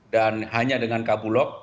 dan hanya dengan kabulog